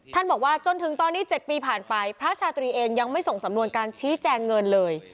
บอกว่าจนถึงตอนนี้๗ปีผ่านไปพระชาตรีเองยังไม่ส่งสำนวนการชี้แจงเงินเลย